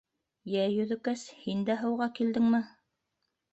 — Йә, Йөҙөкәс, һин дә һыуға килдеңме?